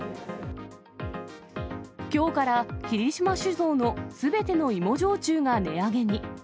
きょうから、霧島酒造のすべての芋焼酎が値上げに。